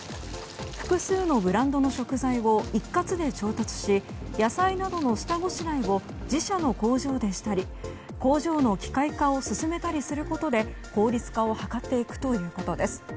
複数のブランドの食材を一括で調達し野菜などの下ごしらえを自社の工場でしたり工場の機械化を進めたりすることで効率化を図っていくということです。